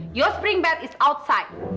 kedudukanmu di luar